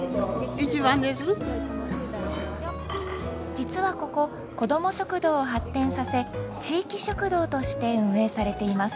実はこここども食堂を発展させ「地域食堂」として運営されています。